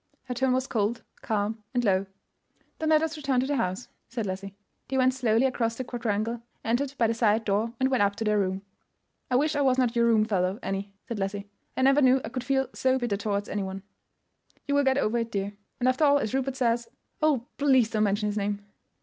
Her tone was cold, calm, and low. "Then let us return to the house," said Leslie. They went slowly across the quadrangle, entered by the side door, and went up to their room. "I wish I was not your roomfellow, Annie," said Leslie. "I never knew I could feel so bitter towards anyone." "You will get over it, dear, and, after all, as Rupert says——" "Oh, please don't mention his name!"